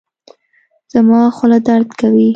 زما خوله درد کوي